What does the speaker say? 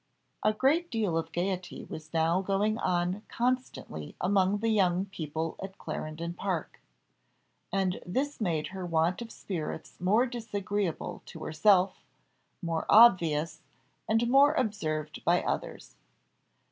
A great deal of gaiety was now going on constantly among the young people at Clarendon Park, and this made her want of spirits more disagreeable to herself, more obvious, and more observed by others.